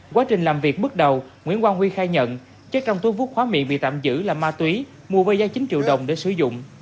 quá trình làm việc bước đầu nguyễn quang huy khai nhận chất trong túi vuốt khóa miệng bị tạm giữ là ma túy mua với giá chín triệu đồng để sử dụng